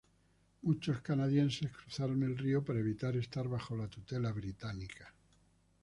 Muchos canadienses cruzaron el río para evitar estar bajo la tutela británica.